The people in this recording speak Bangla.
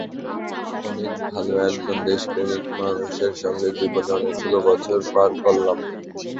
অনেক ভালো একজন দেশপ্রেমিক মানুষের সঙ্গে জীবনের অনেকগুলো বছর পার করলাম।